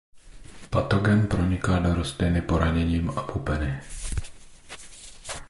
Patogen proniká do rostliny poraněním a pupeny.